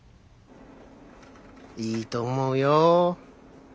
いいと思うよ。